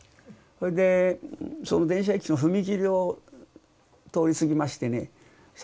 それでその電車いつも踏切を通り過ぎましてね